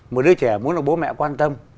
một đứa trẻ muốn được bố mẹ quan tâm